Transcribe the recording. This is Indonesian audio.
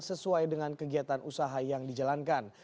sesuai dengan kegiatan usaha yang dijalankan